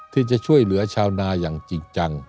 ที่จะช่วยเหลือชาวนาอย่างจริงจัง